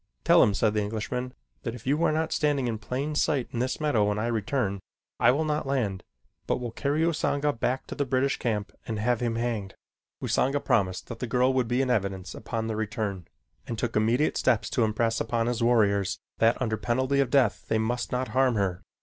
"Tell him," said the Englishman, "that if you are not standing in plain sight in this meadow when I return, I will not land, but will carry Usanga back to the British camp and have him hanged." Usanga promised that the girl would be in evidence upon their return, and took immediate steps to impress upon his warriors that under penalty of death they must not harm her.